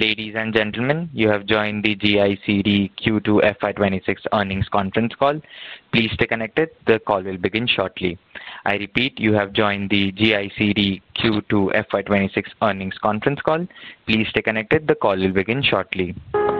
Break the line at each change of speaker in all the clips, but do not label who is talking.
Ladies and gentlemen, you have joined the GIC Re Q2 FY 2026 earnings conference call. Please stay connected. The call will begin shortly. I repeat, you have joined the GIC Re Q2 FY 2026 earnings conference call. Please stay connected. The call will begin shortly. Ladies and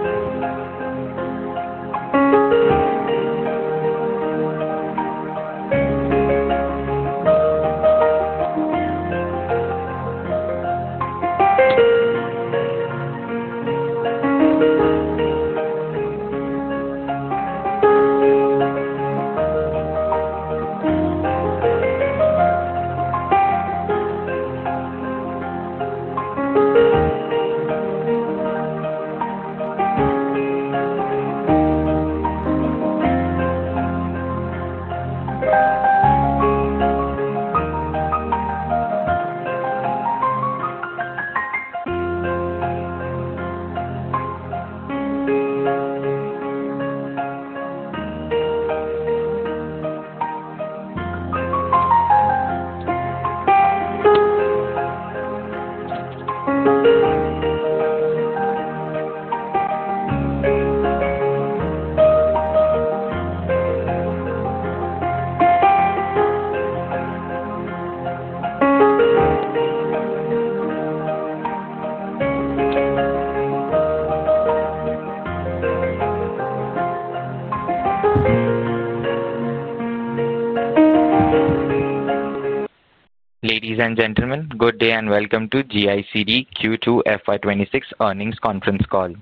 gentlemen, good day and Welcome to GIC Re Q2 FY 2026 earnings conference call.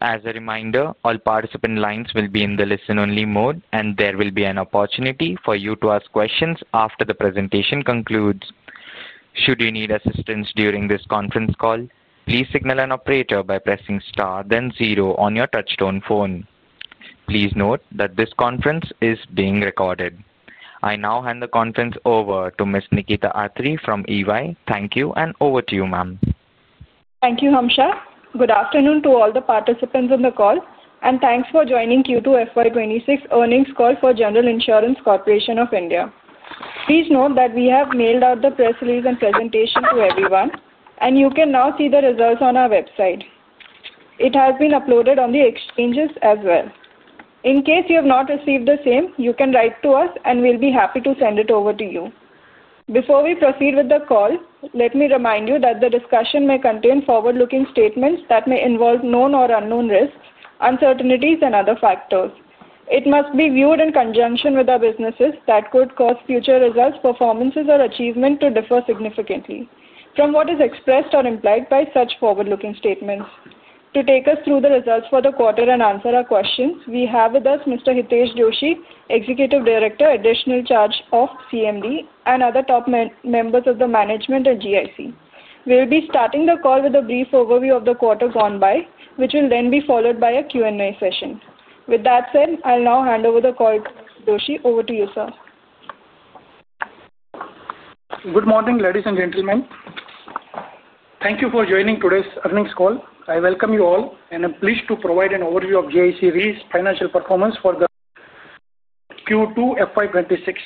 As a reminder, all participant lines will be in the listen-only mode, and there will be an opportunity for you to ask questions after the presentation concludes. Should you need assistance during this conference call, please signal an operator by pressing star, then zero on your touch-tone phone. Please note that this conference is being recorded. I now hand the conference over to Ms. Nikita Atri from EY. Thank you, and over to you, ma'am.
Thank you, Hamsha. Good afternoon to all the participants in the call, and thanks for joining Q2 FY 2026 earnings call for General Insurance Corporation of India. Please note that we have mailed out the press release and presentation to everyone, and you can now see the results on our website. It has been uploaded on the exchanges as well. In case you have not received the same, you can write to us, and we will be happy to send it over to you. Before we proceed with the call, let me remind you that the discussion may contain forward-looking statements that may involve known or unknown risks, uncertainties, and other factors. It must be viewed in conjunction with the businesses that could cause future results, performances, or achievement to differ significantly from what is expressed or implied by such forward-looking statements. To take us through the results for the quarter and answer our questions, we have with us Mr. Hitesh Joshi, Executive Director, Additional Charge of CMD, and other top members of the management at GIC. We'll be starting the call with a brief overview of the quarter gone by, which will then be followed by a Q&A session. With that said, I'll now hand over the call to Mr. Joshi. Over to you, sir.
Good morning, ladies and gentlemen. Thank you for joining today's earnings call. I welcome you all, and I'm pleased to provide an overview of GIC Re's financial performance for the Q2 FY 2026.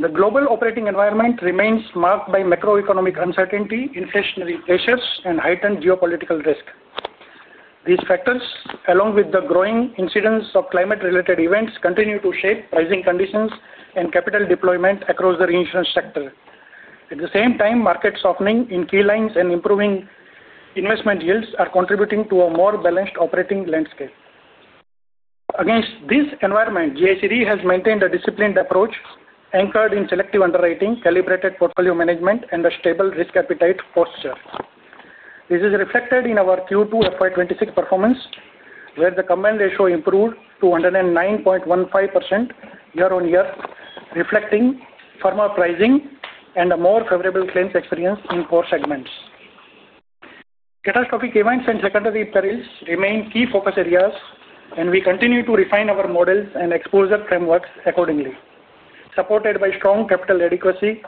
The global operating environment remains marked by macroeconomic uncertainty, inflationary pressures, and heightened geopolitical risk. These factors, along with the growing incidence of climate-related events, continue to shape pricing conditions and capital deployment across the reinsurance sector. At the same time, market softening in key lines and improving investment yields are contributing to a more balanced operating landscape. Against this environment, GIC Re has maintained a disciplined approach anchored in selective underwriting, calibrated portfolio management, and a stable risk appetite posture. This is reflected in our Q2 FY 2026 performance, where the combined ratio improved to 109.15% year-on-year, reflecting firmer pricing and a more favorable claims experience in four segments. Catastrophic events and secondary perils remain key focus areas, and we continue to refine our models and exposure frameworks accordingly. Supported by strong capital adequacy,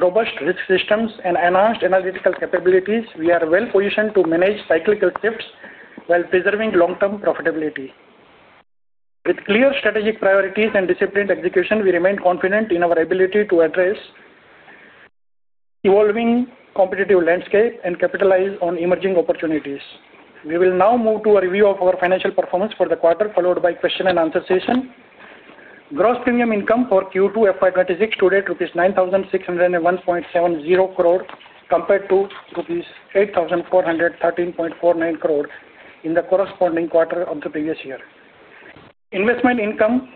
robust risk systems, and enhanced analytical capabilities, we are well-positioned to manage cyclical shifts while preserving long-term profitability. With clear strategic priorities and disciplined execution, we remain confident in our ability to address evolving competitive landscape and capitalize on emerging opportunities. We will now move to a review of our financial performance for the quarter, followed by a question-and-answer session. Gross Premium Income for Q2 FY 2026 today is rupees 9,601.70 crore, compared to rupees 8,413.49 crore in the corresponding quarter of the previous year. Investment income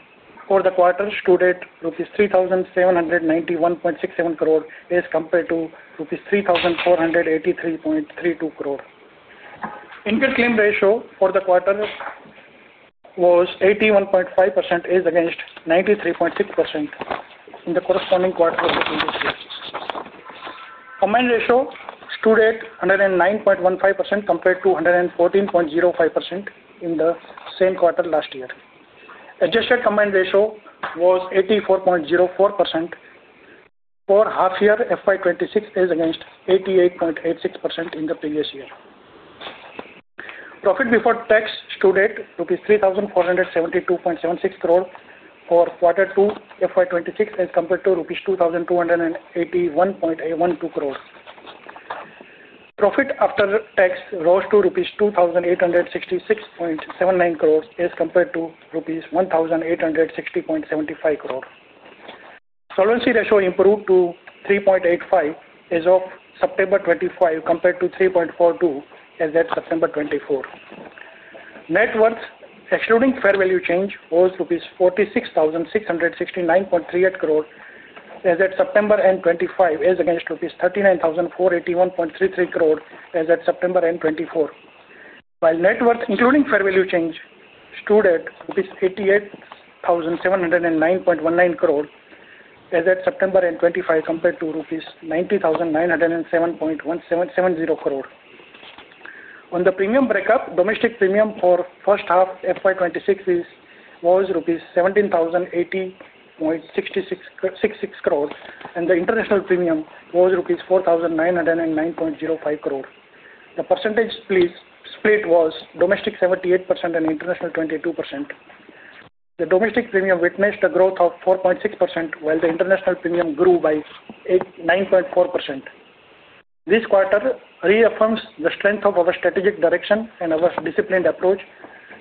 for the quarter stood at rupees 3,791.67 crore as compared to rupees 3,483.32 crore. Incurred claim ratio for the quarter was 81.5% as against 93.6% in the corresponding quarter of the previous year. Combined ratio stood at 109.15% compared to 114.05% in the same quarter last year. Adjusted combined ratio was 84.04% for half-year FY 2026 as against 88.86% in the previous year. Profit before tax stood at rupees 3,472.76 crore for quarter two FY 2026 as compared to rupees 2,281.12 crore. Profit after tax rose to rupees 2,866.79 crore as compared to rupees 1,860.75 crore. Solvency ratio improved to 3.85 as of September 25 compared to 3.42 as at September 24. Net worth excluding fair value change was rupees 46,669.38 crore as at September end 2025 as against rupees 39,481.33 crore as at September end 2024, while net worth including fair value change stood at 88,709.19 crore rupees as at September end 2025 compared to 90,907.17 crore rupees. On the premium breakup, domestic premium for first half FY 2026 was rupees 17,080.66 crore, and the international premium was rupees 4,909.05 crore. The percentage split was domestic 78% and international 22%. The domestic premium witnessed a growth of 4.6%, while the international premium grew by 9.4%. This quarter reaffirms the strength of our strategic direction and our disciplined approach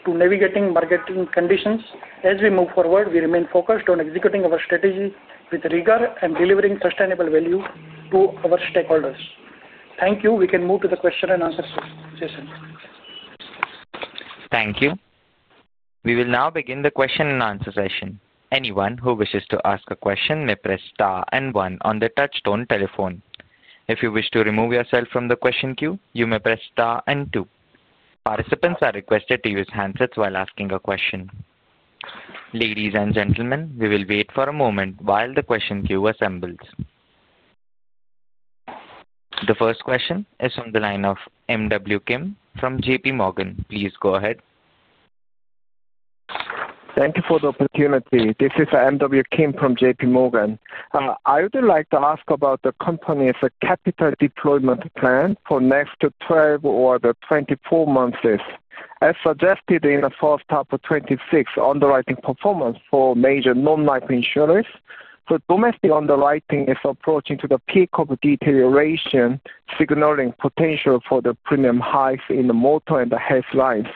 to navigating market conditions. As we move forward, we remain focused on executing our strategy with rigor and delivering sustainable value to our stakeholders. Thank you. We can move to the question and answer session.
Thank you. We will now begin the question and answer session. Anyone who wishes to ask a question may press star and one on the touchstone telephone. If you wish to remove yourself from the question queue, you may press star and two. Participants are requested to use handsets while asking a question. Ladies and gentlemen, we will wait for a moment while the question queue assembles. The first question is from the line of MW Kim from JPMorgan. Please go ahead.
Thank you for the opportunity. This is MW Kim from JPMorgan. I would like to ask about the company's capital deployment plan for the next 12 or the 24 months. As suggested in the first half of 2026, underwriting performance for major non-life insurers. The domestic underwriting is approaching to the peak of deterioration, signaling potential for the premium hike in the Motor and the Health lines.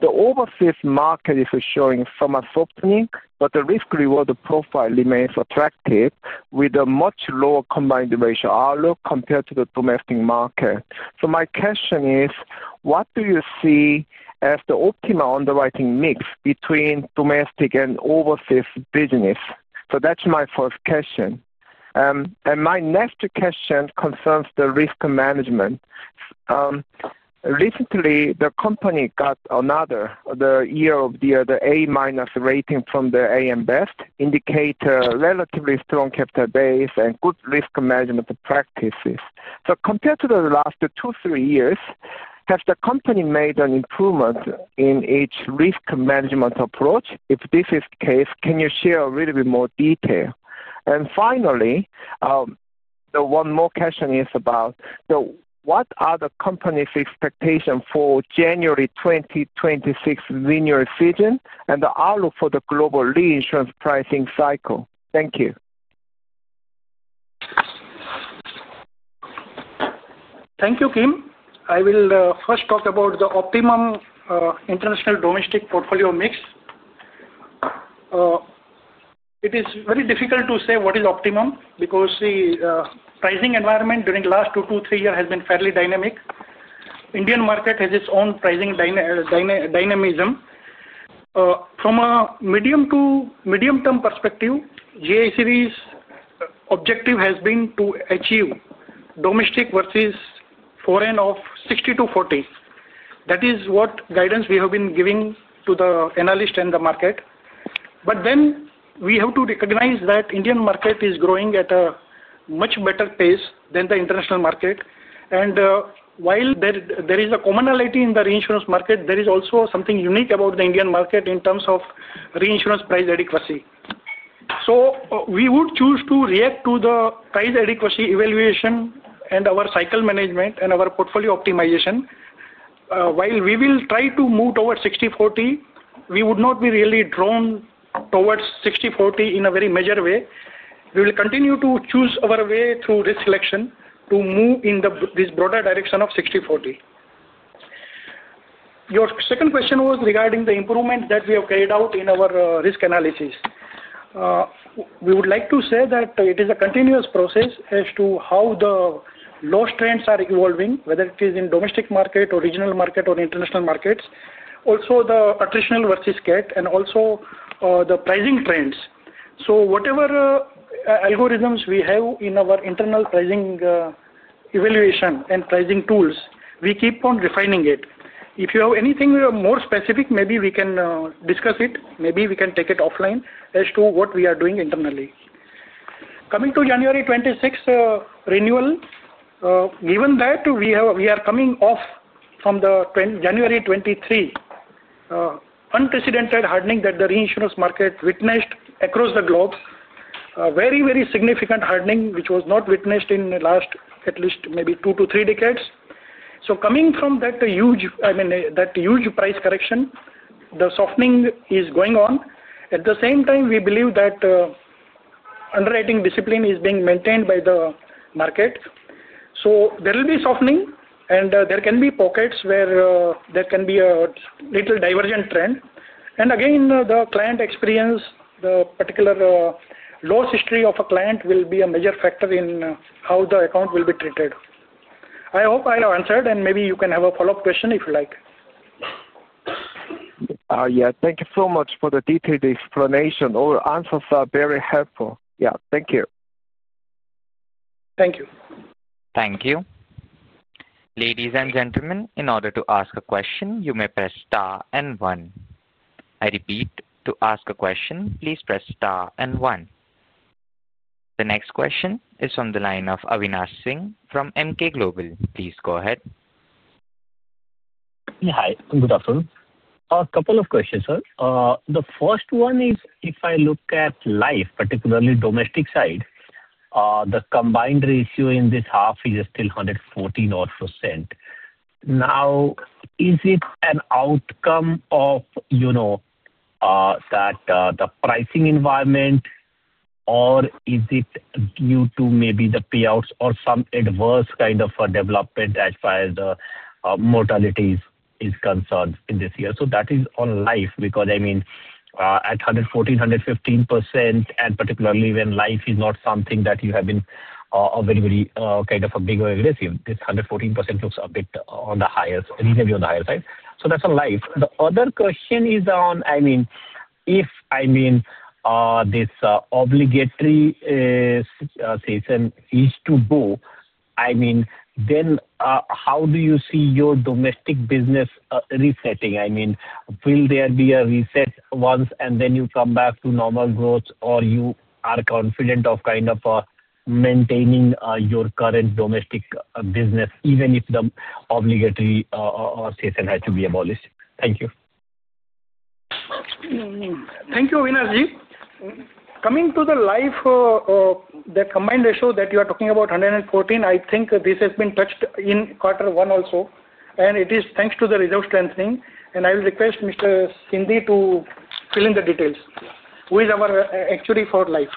The overseas market is showing somewhat softening, but the risk-reward profile remains attractive with a much lower combined ratio outlook compared to the domestic market. My question is, what do you see as the optimal underwriting mix between domestic and overseas business? That is my first question. My next question concerns the risk management. Recently, the company got another year-over-year A-rating from the AM Best indicator, relatively strong capital base, and good risk management practices. Compared to the last two, three years, has the company made an improvement in its risk management approach? If this is the case, can you share a little bit more detail? Finally, one more question is about what are the company's expectations for January 2026 re-annual season and the outlook for the global reinsurance pricing cycle? Thank you.
Thank you, Kim. I will first talk about the optimum international domestic portfolio mix. It is very difficult to say what is optimum because the pricing environment during the last two, three years has been fairly dynamic. The Indian market has its own pricing dynamism. From a medium-term perspective, GIC Re's objective has been to achieve domestic versus foreign of 60%-40%. That is what guidance we have been giving to the analysts and the market. We have to recognize that the Indian market is growing at a much better pace than the international market. While there is a commonality in the reinsurance market, there is also something unique about the Indian market in terms of reinsurance price adequacy. We would choose to react to the price adequacy evaluation and our cycle management and our portfolio optimization. While we will try to move towards 60%, 40%, we would not be really drawn towards 60%, 40% in a very major way. We will continue to choose our way through risk selection to move in this broader direction of 60%, 40%. Your second question was regarding the improvement that we have carried out in our risk analysis. We would like to say that it is a continuous process as to how the law strengths are evolving, whether it is in the domestic market, regional market, or international markets. Also, the attritional versus scat, and also the pricing trends. Whatever algorithms we have in our internal pricing evaluation and pricing tools, we keep on refining it. If you have anything more specific, maybe we can discuss it. Maybe we can take it offline as to what we are doing internally. Coming to January 26 renewal, given that we are coming off from January 2023, unprecedented hardening that the reinsurance market witnessed across the globe, a very, very significant hardening which was not witnessed in the last at least maybe two to three decades. Coming from that huge price correction, the softening is going on. At the same time, we believe that underwriting discipline is being maintained by the market. There will be softening, and there can be pockets where there can be a little divergent trend. Again, the client experience, the particular law history of a client will be a major factor in how the account will be treated. I hope I have answered, and maybe you can have a follow-up question if you like.
Yeah. Thank you so much for the detailed explanation. All answers are very helpful. Yeah. Thank you.
Thank you.
Thank you. Ladies and gentlemen, in order to ask a question, you may press star and one. I repeat, to ask a question, please press star and one. The next question is from the line of Avinash Singh from Emkay Global. Please go ahead.
Hi. Good afternoon. A couple of questions, sir. The first one is, if I look at life, particularly domestic side, the combined ratio in this half is still 114%. Now, is it an outcome of that pricing environment, or is it due to maybe the payouts or some adverse kind of development as far as the mortalities are concerned in this year? That is on life because, I mean, at 114%, 115%, and particularly when life is not something that you have been a very, very kind of a big or aggressive, this 114% looks a bit on the higher, reasonably on the higher side. That is on life. The other question is on, I mean, if, I mean, this obligatory cession is to go, I mean, then how do you see your domestic business resetting? I mean, will there be a reset once and then you come back to normal growth, or you are confident of kind of maintaining your current domestic business even if the obligatory cession had to be abolished? Thank you.
Thank you, Avinash. Coming to the life, the combined ratio that you are talking about, 114%, I think this has been touched in quarter one also. It is thanks to the reserve strengthening. I will request Mr. Sindhi to fill in the details. Who is our Actuary for Life?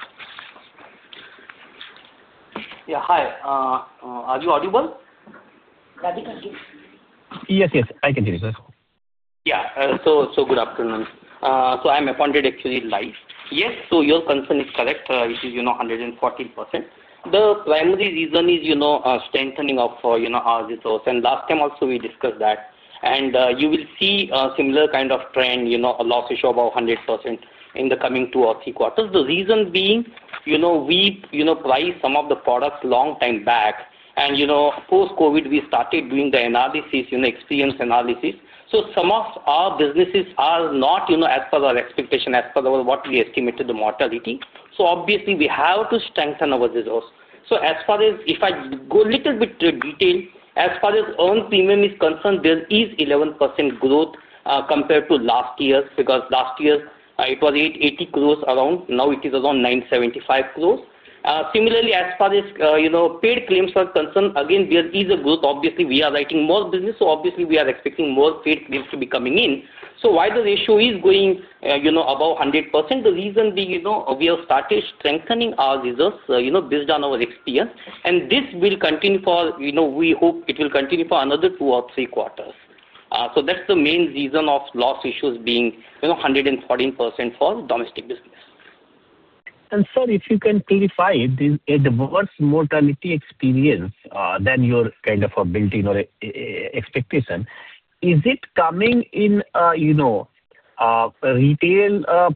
Yeah. Hi. Are you audible?
Yes, yes. I can hear you, sir.
Yeah. Good afternoon. I'm appointed Actuary Life Yes. Your concern is correct. It is 114%. The primary reason is strengthening of our reserves. Last time also we discussed that. You will see a similar kind of trend, a loss ratio of about 100% in the coming two or three quarters. The reason being we priced some of the products a long time back. Post-COVID, we started doing the analysis, experience analysis. Some of our businesses are not as per our expectation, as per what we estimated the mortality. Obviously, we have to strengthen our reserves. If I go a little bit to detail, as far as earned premium is concerned, there is 11% growth compared to last year because last year it was 880 million around. Now it is around 975 million. Similarly, as far as paid claims are concerned, again, there is a growth. Obviously, we are writing more business. Obviously, we are expecting more paid claims to be coming in. While the ratio is going above 100%, the reason being we have started strengthening our reserves based on our experience. This will continue for, we hope, another two or three quarters. That is the main reason of loss issues being 114% for domestic business.
Sir, if you can clarify, the worst mortality experience than your kind of a built-in or expectation, is it coming in retail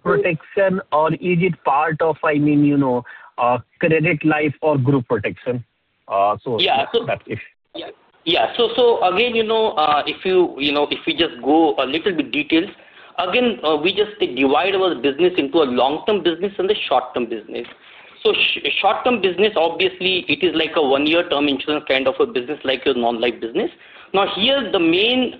protection, or is it part of, I mean, credit life or group protection?
That is it.
Yeah. So again, if we just go a little bit detailed, again, we just divide our business into a long-term business and a short-term business. Short-term business, obviously, it is like a one-year-term insurance kind of a business like your non-life business. Now, here, the main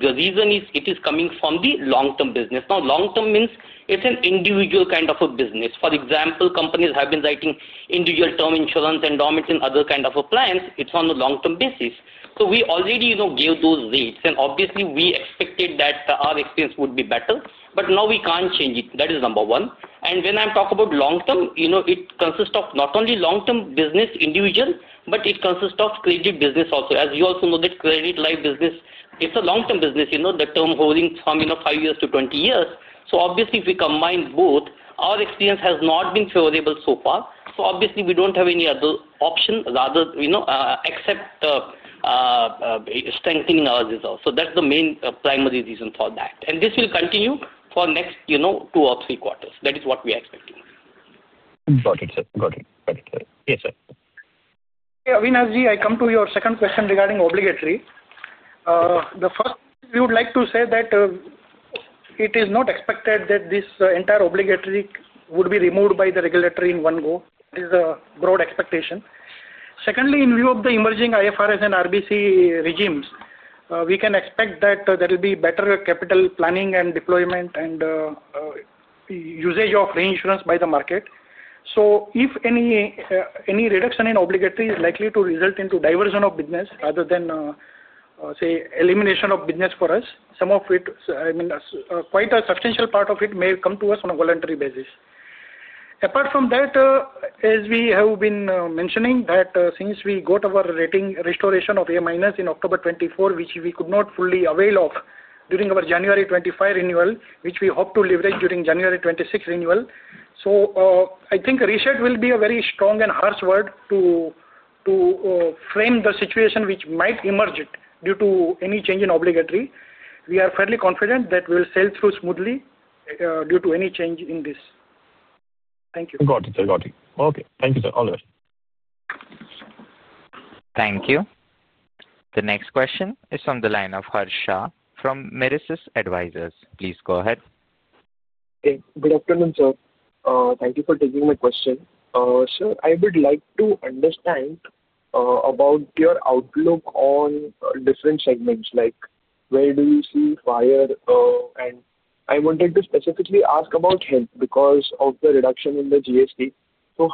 reason is it is coming from the long-term business. Now, long-term means it is an individual kind of a business. For example, companies have been writing individual term insurance and dormant and other kind of plans. It is on a long-term basis. We already gave those rates. Obviously, we expected that our experience would be better. Now we cannot change it. That is number one. When I talk about long-term, it consists of not only long-term business individual, but it consists of credit business also. As you also know, credit life business, it is a long-term business. The term holding from 5 years-20 years. Obviously, if we combine both, our experience has not been favorable so far. Obviously, we do not have any other option except strengthening our resource. That is the main primary reason for that. This will continue for the next two or three quarters. That is what we are expecting.
Got it, sir. Yes, sir.
Avinash, I come to your second question regarding obligatory. The first, we would like to say that it is not expected that this entire obligatory would be removed by the regulatory in one go. That is the broad expectation. Secondly, in view of the emerging IFRS and RBC regimes, we can expect that there will be better capital planning and deployment and usage of reinsurance by the market. If any reduction in obligatory is likely to result in divergent of business rather than, say, elimination of business for us, some of it, I mean, quite a substantial part of it may come to us on a voluntary basis. Apart from that, as we have been mentioning, since we got our rating restoration of A- in October 2024, which we could not fully avail of during our January 2025 renewal, we hope to leverage during January 2026 renewal. I think reset will be a very strong and harsh word to frame the situation which might emerge due to any change in obligatory. We are fairly confident that we will sail through smoothly due to any change in this. Thank you.
Got it, sir. Got it. Okay. Thank you, sir. All right.
Thank you. The next question is from the line of Harsh Shah from Merisis Advisors. Please go ahead.
Okay. Good afternoon, sir. Thank you for taking my question. Sir, I would like to understand about your outlook on different segments, like where do you see Fire? I wanted to specifically ask about Health because of the reduction in the GST.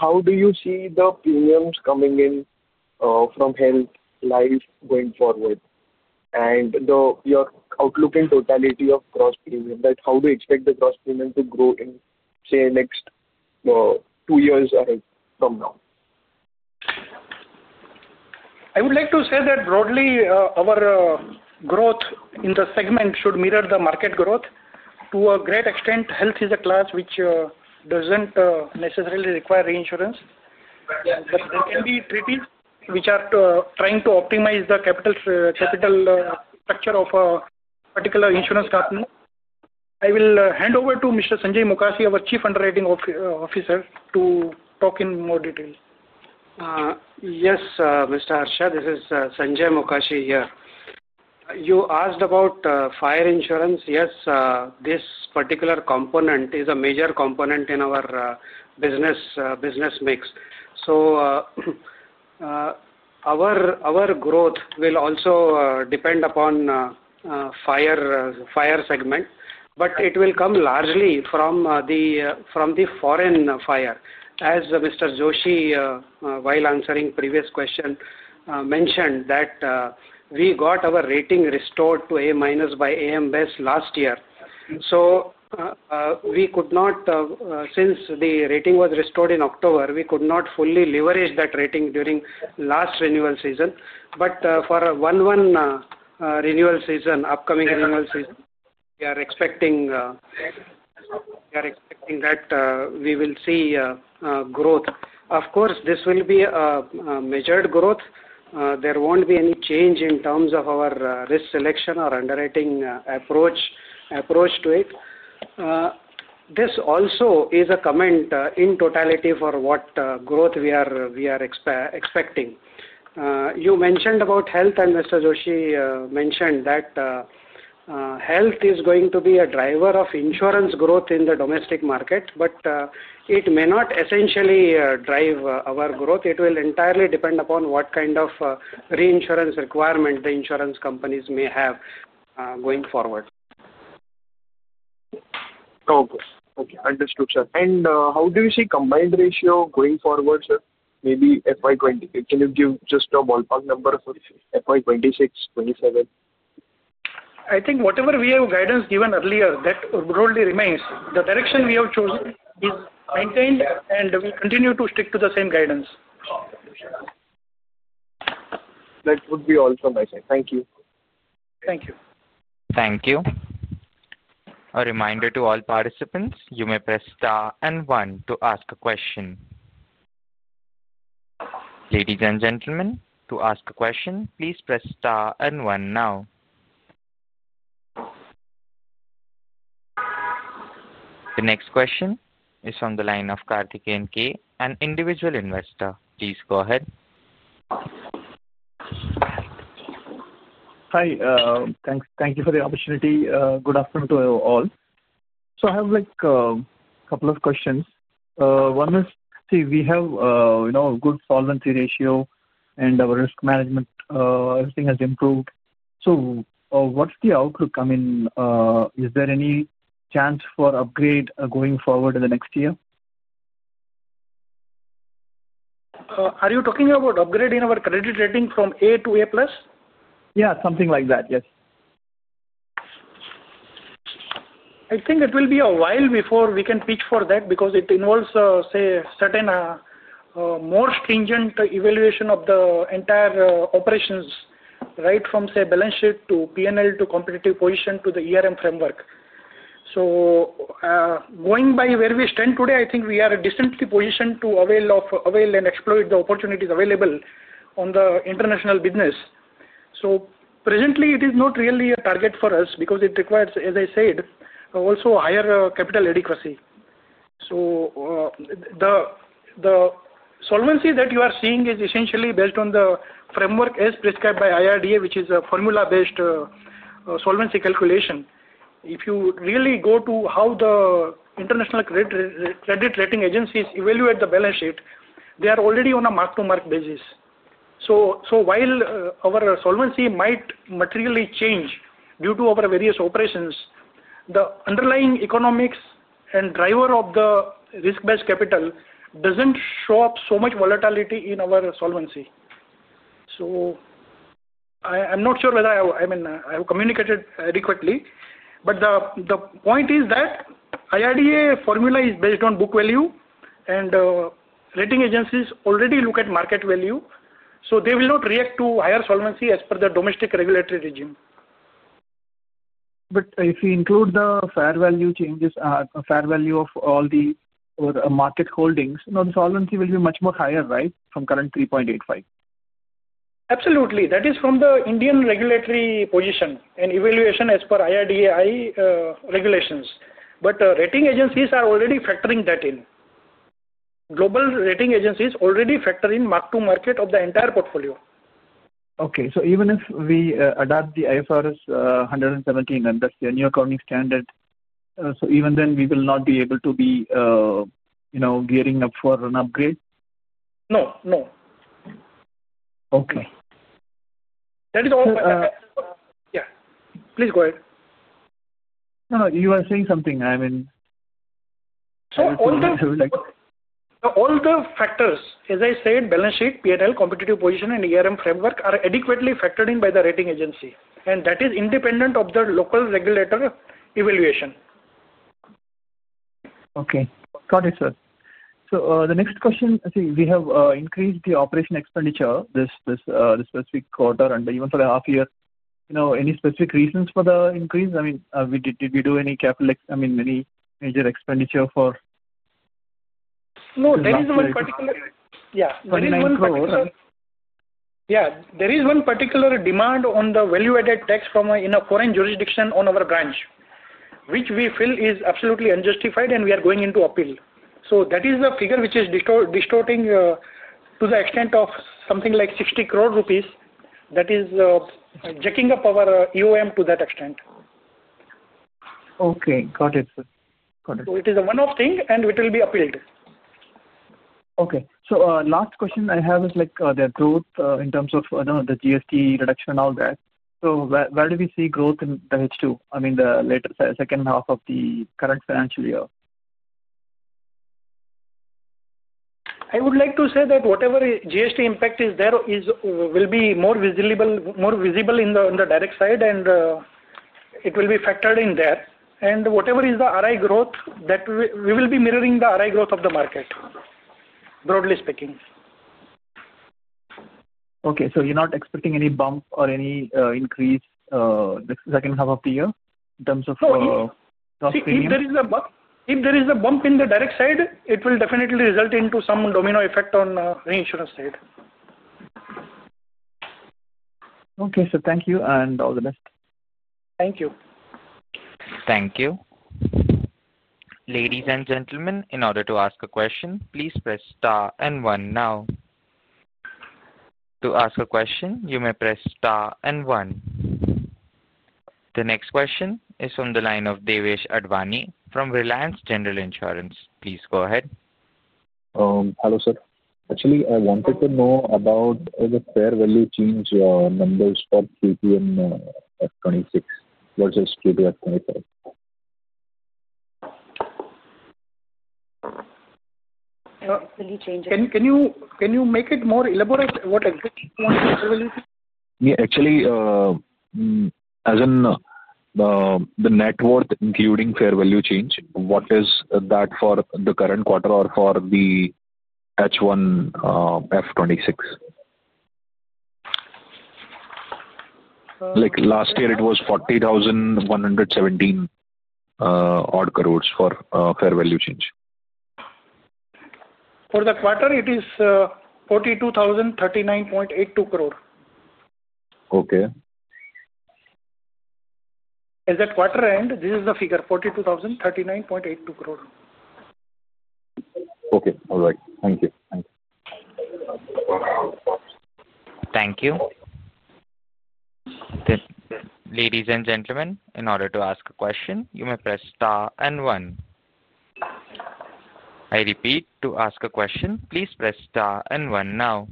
How do you see the premiums coming in from Health life going forward? Your outlook in totality of Gross Premium, like how do you expect the Gross Premium to grow in, say, next two years from now?
I would like to say that broadly, our growth in the segment should mirror the market growth. To a great extent, health is a class which does not necessarily require reinsurance. There can be treaties which are trying to optimize the capital structure of a particular insurance company. I will hand over to Mr. Sanjay Mukashi, our Chief Underwriting Officer, to talk in more detail.
Yes, Mr. Harsh, this is Sanjay Mukashi here. You asked about Fire insurance. Yes, this particular component is a major component in our business mix. Our growth will also depend upon the Fire segment, but it will come largely from the foreign Fire. As Mr. Joshi, while answering the previous question, mentioned that we got our rating restored to A- by AM Best last year. Since the rating was restored in October, we could not fully leverage that rating during last renewal season. For a one-one renewal season, upcoming renewal season, we are expecting that we will see growth. Of course, this will be a measured growth. There will not be any change in terms of our risk selection or underwriting approach to it. This also is a comment in totality for what growth we are expecting. You mentioned about Health, and Mr. Joshi mentioned that Health is going to be a driver of insurance growth in the domestic market, but it may not essentially drive our growth. It will entirely depend upon what kind of reinsurance requirement the insurance companies may have going forward.
Okay. Understood, sir. How do you see combined ratio going forward, sir? Maybe FY 2026. Can you give just a ballpark number for FY 2026, 2027?
I think whatever we have guidance given earlier, that broadly remains. The direction we have chosen is maintained, and we continue to stick to the same guidance.
That would be all from my side. Thank you.
Thank you.
Thank you. A reminder to all participants, you may press star and one to ask a question. Ladies and gentlemen, to ask a question, please press star and one now. The next question is from the line of Karthik Nk, an individual investor. Please go ahead.
Hi. Thank you for the opportunity. Good afternoon to all. I have a couple of questions. One is, see, we have a good solvency ratio, and our risk management, everything has improved. What's the outlook? I mean, is there any chance for upgrade going forward in the next year?
Are you talking about upgrade in our credit rating from A to A+?
Yeah, something like that, yes.
I think it will be a while before we can pitch for that because it involves, say, a certain more stringent evaluation of the entire operations, right from, say, balance sheet to P&L to competitive position to the framework. Going by where we stand today, I think we are decently positioned to avail and exploit the opportunities available on the international business. Presently, it is not really a target for us because it requires, as I said, also higher capital adequacy. The solvency that you are seeing is essentially built on the framework as prescribed by IRDA, which is a formula-based solvency calculation. If you really go to how the international credit rating agencies evaluate the balance sheet, they are already on a mark-to-mark basis. While our solvency might materially change due to our various operations, the underlying economics and driver of the risk-based capital does not show up so much volatility in our solvency. I am not sure whether I have communicated adequately. The point is that the IRDA formula is based on book value, and rating agencies already look at market value. They will not react to higher solvency as per the domestic regulatory regime.
If we include the fair value changes, fair value of all the market holdings, the solvency will be much more higher, right, from current 3.85?
Absolutely. That is from the Indian regulatory position and evaluation as per IRDA regulations. Rating agencies are already factoring that in. Global rating agencies already factor in mark-to-market of the entire portfolio.
Okay. So even if we adopt the IFRS 17, that's the new accounting standard, so even then we will not be able to be gearing up for an upgrade?
No. No.
Okay.
That is all. Yeah. Please go ahead.
No, no. You were saying something. I mean.
All the.
I would like to.
All the factors, as I said, balance sheet, P&L, competitive position, and framework are adequately factored in by the rating agency. That is independent of the local regulator evaluation.
Okay. Got it, sir. The next question, see, we have increased the operation expenditure this specific quarter and even for the half year. Any specific reasons for the increase? I mean, did we do any capital, I mean, any major expenditure for?
No, there is one particular. Yeah. Yeah. There is one particular demand on the value-added tax in a foreign jurisdiction on our branch, which we feel is absolutely unjustified, and we are going into appeal. That is the figure which is distorting to the extent of something like 60 crore rupees. That is jacking up our EOM to that extent.
Okay. Got it, sir. Got it.
It is a one-off thing, and it will be appealed.
Okay. So last question I have is the growth in terms of the GST reduction and all that. Where do we see growth in the H2, I mean, the second half of the current financial year?
I would like to say that whatever GST impact is there will be more visible on the direct side, and it will be factored in there. Whatever is the RI growth, we will be mirroring the RI growth of the market, broadly speaking.
Okay. So you're not expecting any bump or any increase the second half of the year in terms of Gross Premium?
No. If there is a bump in the direct side, it will definitely result in some domino effect on the reinsurance side.
Okay, sir. Thank you, and all the best.
Thank you.
Thank you. Ladies and gentlemen, in order to ask a question, please press star and one now. To ask a question, you may press star and one. The next question is from the line of Devesh Advani from Reliance General Insurance. Please go ahead.
Hello, sir. Actually, I wanted to know about the fair value change numbers for Q2 and F26 versus Q2 and F25.
What's the change? Can you make it more elaborate? What exactly is the fair value change?
Yeah. Actually, as in the net worth including fair value change, what is that for the current quarter or for the H1 2026? Last year, it was 40,117 crore for fair value change.
For the quarter, it is 42,039.82 crore.
Okay.
At the quarter end, this is the figure, 42,039.82 crore.
Okay. All right. Thank you. Thank you.
Thank you. Ladies and gentlemen, in order to ask a question, you may press star and one. I repeat, to ask a question, please press star and one now.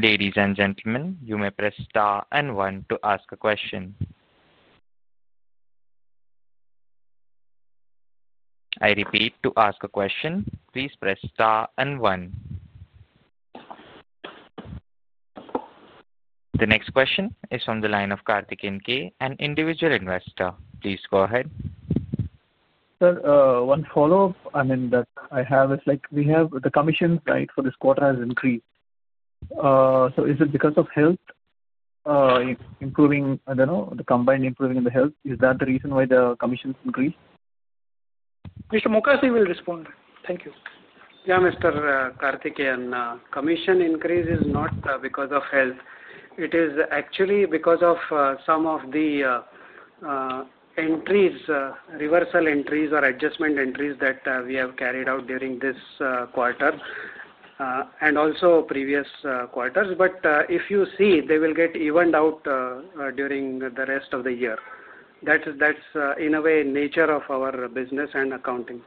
Ladies and gentlemen, you may press star and one to ask a question. I repeat, to ask a question, please press star and one. The next question is from the line of Karthik Nk, an individual investor. Please go ahead.
Sir, one follow-up, I mean, that I have is we have the commission, right, for this quarter has increased. Is it because of Health improving, I do not know, the combined improving in the Health? Is that the reason why the commission increased?
Mr. Mukashi will respond. Thank you.
Yeah, Mr. Karthik, commission increase is not because of Health. It is actually because of some of the entries, reversal entries or adjustment entries that we have carried out during this quarter and also previous quarters. If you see, they will get evened out during the rest of the year. That is, in a way, nature of our business and accounting.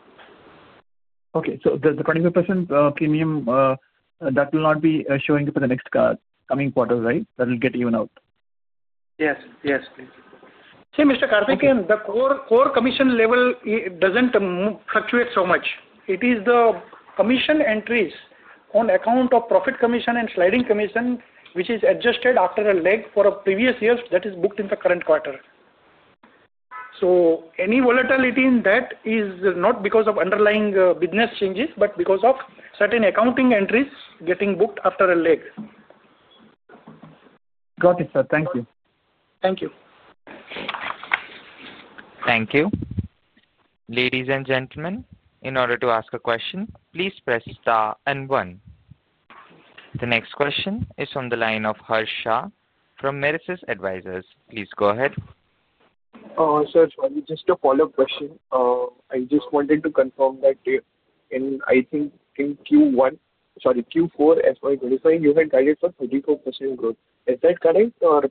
Okay. So the 25% premium, that will not be showing up in the next coming quarter, right? That will get evened out?
Yes. Yes, please.
See, Mr. Karthik, the core commission level doesn't fluctuate so much. It is the commission entries on account of profit commission and sliding commission, which is adjusted after a lag for a previous year that is booked in the current quarter. Any volatility in that is not because of underlying business changes, but because of certain accounting entries getting booked after a lag.
Got it, sir. Thank you.
Thank you.
Thank you. Ladies and gentlemen, in order to ask a question, please press star and one. The next question is from the line of Harsh Shah, from Merisis Advisors. Please go ahead.
Sir, just a follow-up question. I just wanted to confirm that in, I think, Q1, sorry, Q4 FY 2025, you had guidance for 34% growth. Is that correct, or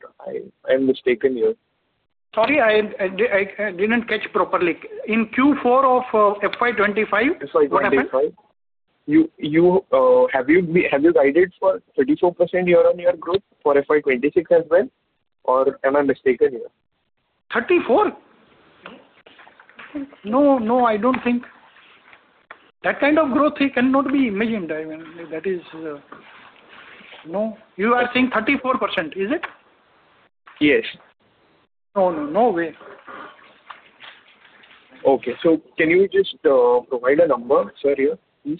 I'm mistaken here?
Sorry, I didn't catch properly. In Q4 of FY 2025, what happened?
Sorry. Have you guided for 34% year-on-year growth for FY 2026 as well, or am I mistaken here?
34? No, no, I don't think. That kind of growth, he cannot be imagined. That is no. You are saying 34%, is it?
Yes.
No, no way.
Okay. So can you just provide a number, sir, here, please?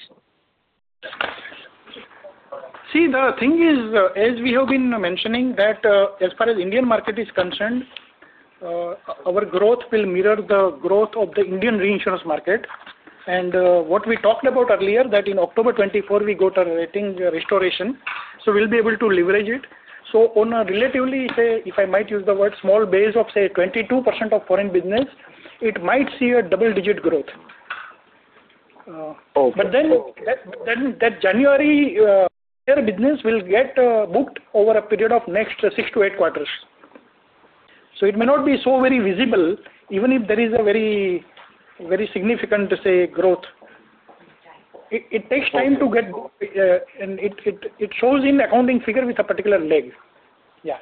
See, the thing is, as we have been mentioning, that as far as Indian market is concerned, our growth will mirror the growth of the Indian reinsurance market. What we talked about earlier, that in October 2024, we got a rating restoration. We will be able to leverage it. On a relatively, say, if I might use the word, small base of, say, 22% of foreign business, it might see a double-digit growth. That January-year business will get booked over a period of next six to eight quarters. It may not be so very visible, even if there is a very significant, say, growth. It takes time to get, and it shows in accounting figure with a particular lag. Yeah.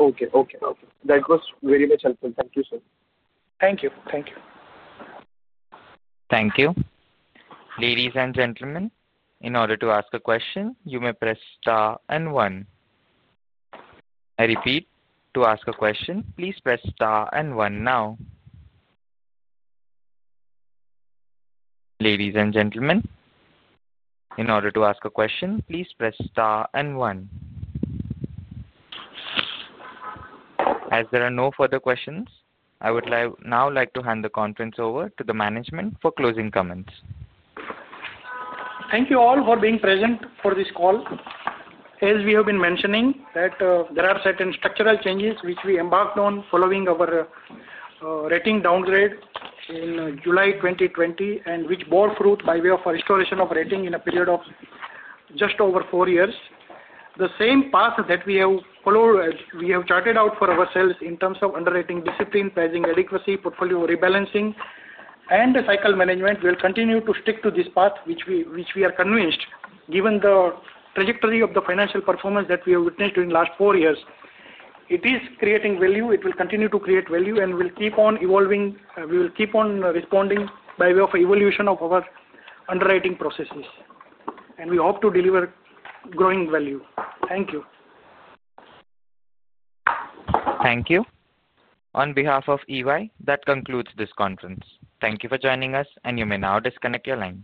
Okay. Okay. Okay. That was very much helpful. Thank you, sir.
Thank you. Thank you.
Thank you. Ladies and gentlemen, in order to ask a question, you may press star and one. I repeat, to ask a question, please press star and one now. As there are no further questions, I would now like to hand the conference over to the management for closing comments.
Thank you all for being present for this call. As we have been mentioning, that there are certain structural changes which we embarked on following our rating downgrade in July 2020, and which bore fruit by way of restoration of rating in a period of just over four years. The same path that we have charted out for ourselves in terms of underwriting discipline, pricing adequacy, portfolio rebalancing, and cycle management will continue to stick to this path, which we are convinced, given the trajectory of the financial performance that we have witnessed during the last four years. It is creating value. It will continue to create value, and we'll keep on evolving. We will keep on responding by way of evolution of our underwriting processes. We hope to deliver growing value. Thank you.
Thank you. On behalf of EY, that concludes this conference. Thank you for joining us, and you may now disconnect your line.